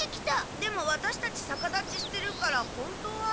でもワタシたちさかだちしてるから本当は。